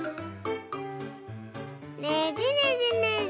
ねじねじねじ。